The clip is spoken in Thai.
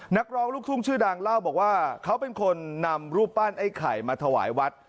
นักร้องลูกทุ่งชื่อดังเล่าบอกว่าเขาเป็นคนนำรูปปั้นไอ้ไข่มาถวายวัด